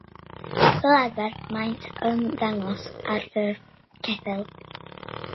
Fel arfer, maent yn ymddangos ar ffurf ceffyl.